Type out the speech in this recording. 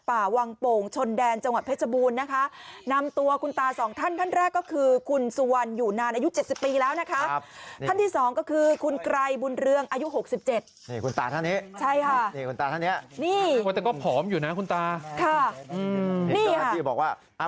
อันนี้นี่แต่ก็ผอมอยู่นะคุณตาค่ะอืมนี่ค่ะที่บอกว่าอ่า